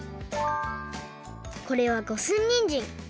これは五寸にんじん。